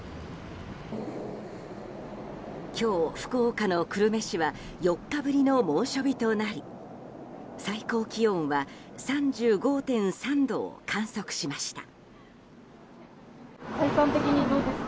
今日、福岡の久留米市は４日ぶりの猛暑日となり最高気温は３５．３度を観測しました。